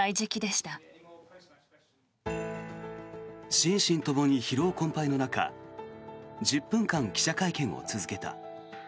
心身ともに疲労困ぱいの中１０分間記者会見を続けた。